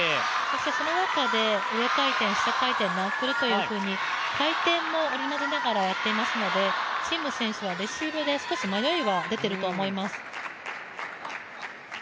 その中で、上回転、下回転、ナックルというふうに回転も織り交ぜながらやっていますので、陳夢選手でレシーブで少し迷いが出ていると思います。